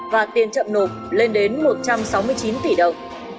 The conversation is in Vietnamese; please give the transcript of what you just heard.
và tiền chậm nộp lên đến một trăm sáu mươi chín tỷ đồng